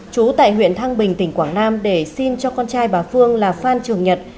chú tại huyện thăng bình tỉnh quảng nam để xin cho con trai bà phương là phan trường nhật